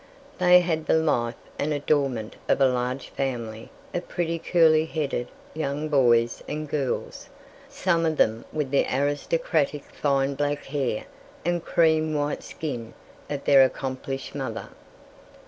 They had the life and adornment of a large family of pretty curly headed young boys and girls, some of them with the aristocratic fine black hair and cream white skin of their accomplished mother.